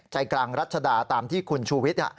ใจกลางรัชดาตามที่คุณชูวิทย์